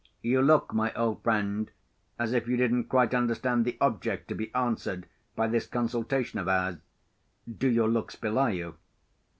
You look, my old friend, as if you didn't quite understand the object to be answered by this consultation of ours. Do your looks belie you?"